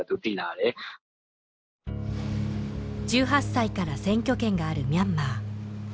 １８歳から選挙権があるミャンマー